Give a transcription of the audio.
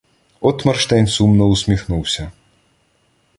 Отмарштейн сумно усміхнувся.